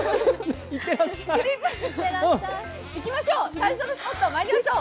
最初のスポーツ、まいりましょう。